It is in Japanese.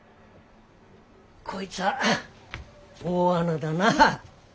こいつは大穴だな。